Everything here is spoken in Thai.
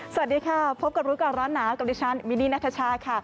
สวัสดีค่ะพบกับรู้ก่อนร้อนหนาวกับดิฉันมินีนัทชาค่ะ